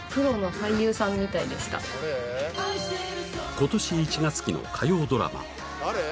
今年１月期の火曜ドラマ